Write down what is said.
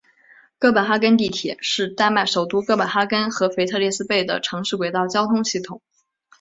哥本哈根地铁是丹麦首都哥本哈根和腓特烈斯贝的城市轨道交通系统。